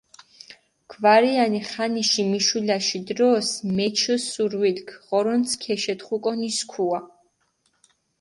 გვარიანი ხანიში მიშულაში დროს, მეჩჷ სრუვილქ, ღორონს ქეშეთხუკონი სქუა.